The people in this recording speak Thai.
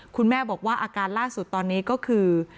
คุณแม่บอกว่าอาการล่าสุดตอนนี้ก็คือ